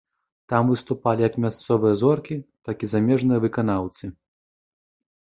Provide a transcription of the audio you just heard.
Там выступалі як мясцовыя зоркі, так і замежныя выканаўцы.